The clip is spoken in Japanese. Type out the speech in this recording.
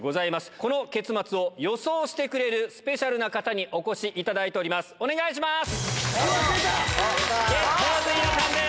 この結末を予想してくれるスペシャルな方にお越しいただいております。